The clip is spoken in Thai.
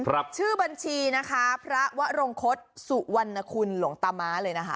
ชื่อบัญชีนะคะพระวรงคศสุวรรณคุณหลวงตาม้าเลยนะคะ